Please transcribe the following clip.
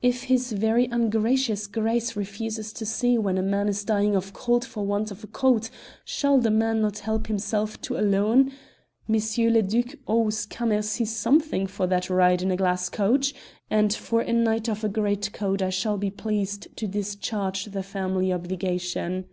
If his very ungracious Grace refuses to see when a man is dying of cold for want of a coat, shall the man not help himself to a loan? M. le Duc owes Cammercy something for that ride in a glass coach, and for a night of a greatcoat I shall be pleased to discharge the family obligation."